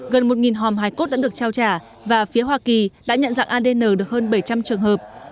gần một hòm hài cốt đã được trao trả và phía hoa kỳ đã nhận dạng adn được hơn bảy trăm linh trường hợp